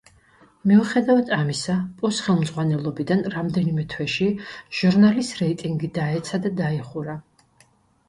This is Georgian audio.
მიუხედავად ამისა, პოს ხელმძღვანელობიდან რამდენიმე თვეში ჟურნალის რეიტინგი დაეცა და დაიხურა.